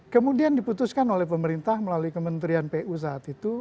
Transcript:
kemudian diputuskan oleh pemerintah melalui kementerian pu saat itu